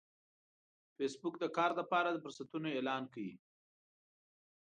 فېسبوک د کار لپاره د فرصتونو اعلان کوي